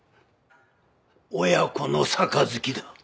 親子の杯だ。